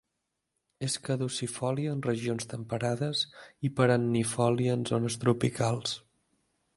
És caducifòlia en regions temperades, i perennifòlia en zones tropicals.